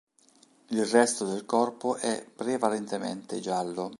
Il resto del corpo è prevalentemente giallo.